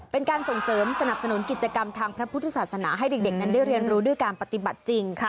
เป็นการส่งเสริมสนับสนุนกิจกรรมทางพระพุทธศาสนาให้เด็กนั้นได้เรียนรู้ด้วยการปฏิบัติจริง